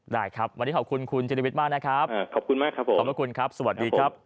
ได้ครับวันนี้ขอบคุณคุณเจรวิทย์มากนะครับขอบคุณมากครับผมขอบพระคุณครับสวัสดีครับ